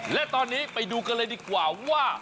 และตอนนี้ไปดูกันเลยดีกว่าว่า